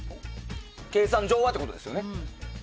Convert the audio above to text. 計算上はってところですね。